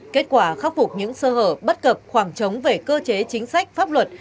kết quả khắc phục những sơ hở bất cập khoảng trống về cơ chế chính sách pháp luật